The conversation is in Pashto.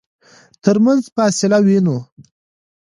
ترمنځ فاصله وينو.